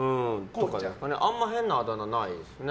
あんまり変なあだ名ないですね。